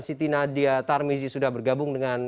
siti nadia tarmizi sudah bergabung dengan